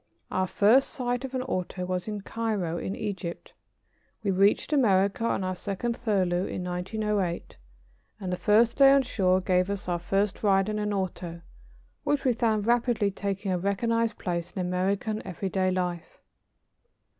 Our first sight of an auto was in Cairo, in Egypt. We reached America on our second furlough in 1908, and the first day on shore gave us our first ride in an auto, which we found rapidly taking a recognized place in American everyday life.